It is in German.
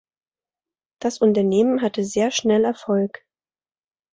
Das Unternehmen hatte sehr schnell Erfolg.